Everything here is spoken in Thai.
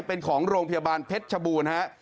เป็นของโรงพยาบาลเพชรชบูรณ์ฮะ